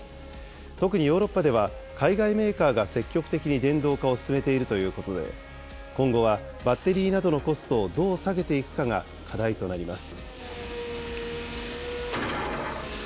とくにヨーロッパでは、海外メーカーが積極的に電動化を進めているということで、今後はバッテリーなどのコストをどう下げていくかが課題となります。